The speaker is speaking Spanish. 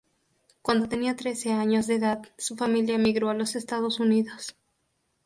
Cuando tenía trece años de edad, su familia emigró a los Estados Unidos.